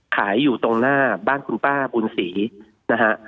อยู่ตรงหน้าบ้านคุณป้าบุญศรีนะฮะ